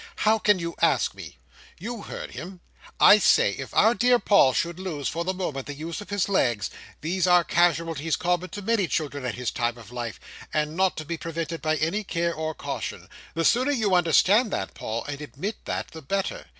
"How can you ask me? You heard him. I say, if our dear Paul should lose, for the moment, the use of his legs, these are casualties common to many children at his time of life, and not to be prevented by any care or caution. The sooner you understand that, Paul, and admit that, the better.